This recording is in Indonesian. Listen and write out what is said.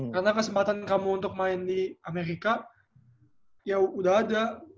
karena kesempatan kamu untuk main di amerika ya udah ada